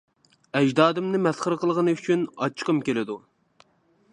ئەجدادىمنى مەسخىرە قىلغىنى ئۈچۈن ئاچچىقىم كېلىدۇ.